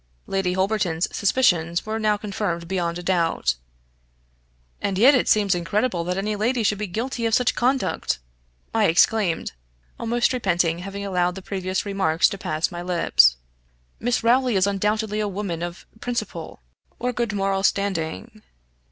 Lady Holberton's suspicions were now confirmed beyond a doubt. "And yet it seems incredible that any lady should be guilty of such conduct!" I exclaimed, almost repenting having allowed the previous remarks to pass my lips. "Miss Rowley is undoubtedly a woman of principle or good moral standing."